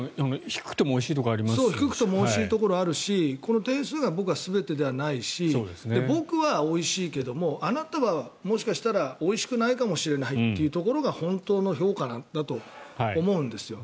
低くてもおいしいところはあるしこの点数が僕は全てではないし僕はおいしいけどもあなたはもしかしたらおいしくないかもしれないっていうところが本当の評価なんだと思うんですよ。